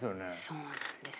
そうなんですよ。